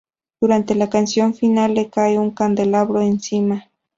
Durante la canción final le cae un candelabro encima.